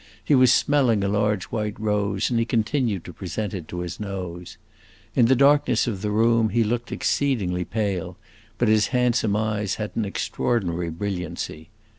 He was smelling a large white rose, and he continued to present it to his nose. In the darkness of the room he looked exceedingly pale, but his handsome eyes had an extraordinary brilliancy.